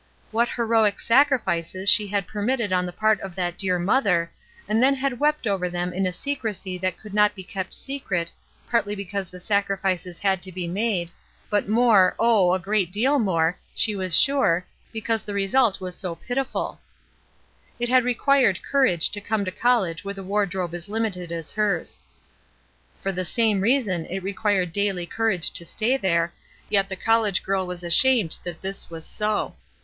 What heroic sacrifices she had per mitted on the part of that dear mother, and then had wept over them in a secrecy that could not be kept secret, partly because the sacrifices had to be made, but more, oh, a great deal more, she was sure, because the result was so pitiful. 94 ESTER RIED'S NAMESAKE It had required courage to come to college with a wardrobe as limited as hers. For the same reason it required daily courage to stay there, yet the college girl was ashamed that this was so.